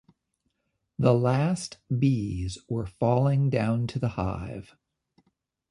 The last bees were falling down to the hive.